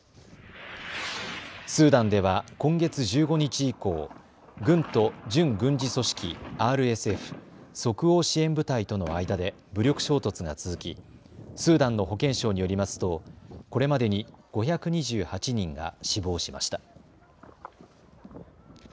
スーダンでは今月１５日以降、軍と準軍事組織、ＲＳＦ・即応支援部隊との間で武力衝突が続き、スーダンの保健省によりますと、これまでに５２８人が死亡しました。